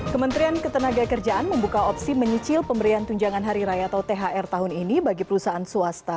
kementerian ketenaga kerjaan membuka opsi menyicil pemberian tunjangan hari raya atau thr tahun ini bagi perusahaan swasta